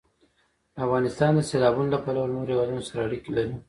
افغانستان د سیلابونو له پلوه له نورو هېوادونو سره اړیکې لري.